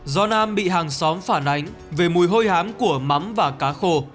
do nam bị hàng xóm phản ánh về mùi hôi hám của mắm và cá khô